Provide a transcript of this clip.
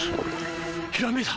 ひらめいた！